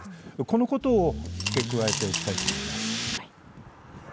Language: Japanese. このことを付け加えておきたいと思います。